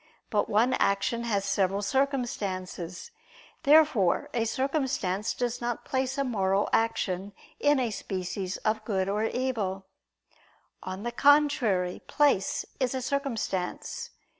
But one action has several circumstances. Therefore a circumstance does not place a moral action in a species of good or evil. On the contrary, Place is a circumstance.